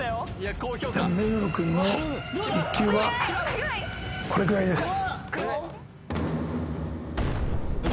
目黒くんの日給はこれぐらいです